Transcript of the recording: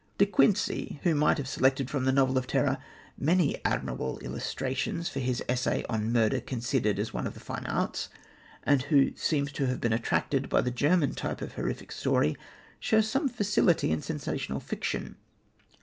De Quincey, who might have selected from the novel of terror many admirable illustrations for his essay on Murder, Considered as one of the Fine Arts, and who seems to have been attracted by the German type of horrific story, shows some facility in sensational fiction.